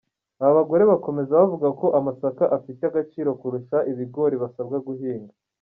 Aba bagore bakomeza bavuga ko amasaka afite agaciro kurusha ibigori basabwa guhinga.